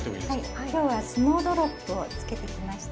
はいきょうは「スノードロップ」をつけてきました。